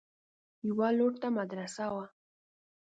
يوه لور ته مدرسه وه.